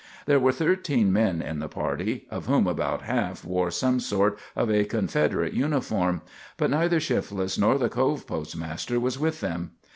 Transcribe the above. There were thirteen men in the party, of whom about half wore some part of a Confederate uniform; but neither Shifless nor the Cove postmaster was with them.